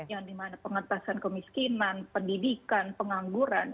yang dimana pengetasan kemiskinan pendidikan pengangguran